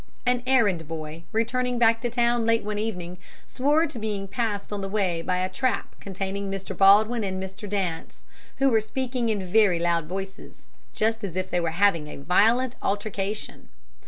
An errand boy, returning back to town, late one evening, swore to being passed on the way by a trap containing Mr. Baldwin and Mr. Dance, who were speaking in very loud voices just as if they were having a violent altercation.